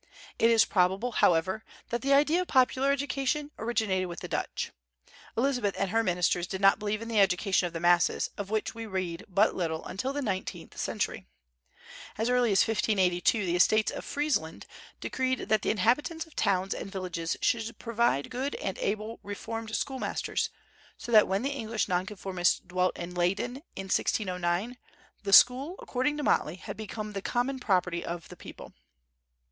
It is probable, however, that the idea of popular education originated with the Dutch. Elizabeth and her ministers did not believe in the education of the masses, of which we read but little until the 19th century. As early as 1582 the Estates of Friesland decreed that the inhabitants of towns and villages should provide good and able Reformed schoolmasters, so that when the English nonconformists dwelt in Leyden in 1609 the school, according to Motley, had become the common property of the people.